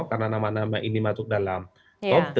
karena nama nama ini masuk dalam top tiga